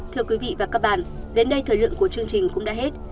thưa quý vị và các bạn đến đây thời lượng của chương trình cũng đã hết